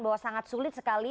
bahwa sangat sulit sekali